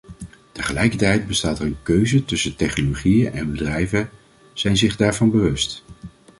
Tegelijkertijd bestaat er een keuze tussen technologieën, en bedrijven zijn zich daarvan bewust.